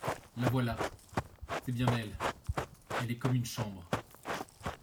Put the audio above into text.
La voilà ! c'est bien elle. Elle est comme une chambre